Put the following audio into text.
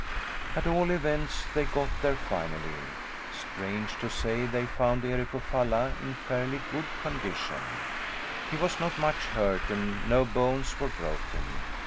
At all events they got there finally. Strange to say, they found Eric of Falla in fairly good condition; he was not much hurt and no bones were broken.